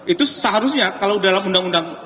itu seharusnya kalau dalam undang undang